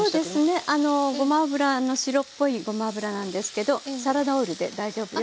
ごま油白っぽいごま油なんですけどサラダオイルで大丈夫よ。